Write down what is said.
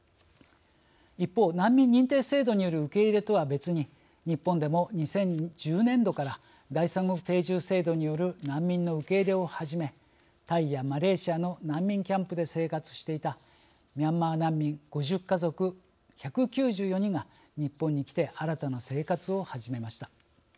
一方難民認定制度による受け入れとは別に日本でも２０１０年度から第三国定住制度による難民の受け入れを始めタイやマレーシアの難民キャンプで生活していたミャンマー難民５０家族１９４人が日本に来て新たな生活を始めました。